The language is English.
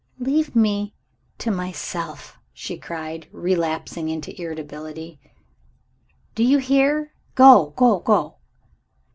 "Leave me to myself!" she cried, relapsing into irritability. "Do you hear? Go! go! go!"